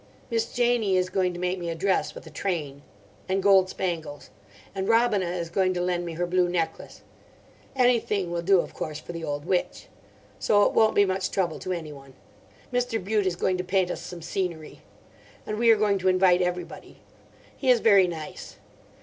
Miss Janie is going to make me a dress with a train. And gold spangles. And Robina is going to lend me her blue necklace. Anything will do of course for the old witch. So it won't be much trouble to anyone. Mr. Bute is going to paint us some scenery. And we are going to invite everybody. He is very nice.